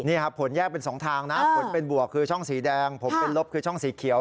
นี่ครับผลแยกเป็น๒ทางนะผลเป็นบวกคือช่องสีแดงผมเป็นลบคือช่องสีเขียว